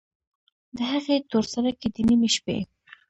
د هغې تورسرکي، د نیمې شپې